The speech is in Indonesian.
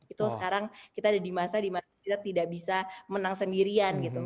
itu sekarang kita ada di masa dimana kita tidak bisa menang sendirian gitu